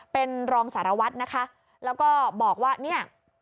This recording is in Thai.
เป็นรองสารวัตรนะคะแล้วก็บอกว่าเนี่ย